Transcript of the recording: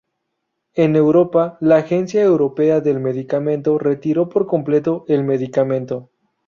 En Europa, la Agencia Europea del Medicamento retiró por completo el medicamento.